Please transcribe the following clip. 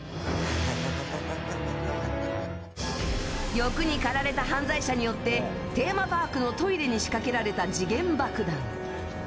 欲にかられた犯罪者によってテーマパークのトイレに仕掛けられた時限爆弾。